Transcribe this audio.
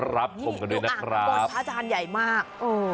รับผมกันด้วยนะครับนี่ดูอ่างก่อนพระอาจารย์ใหญ่มาก